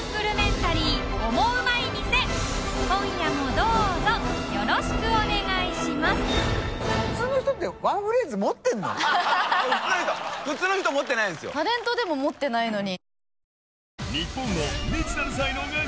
タレントでも持ってないのに。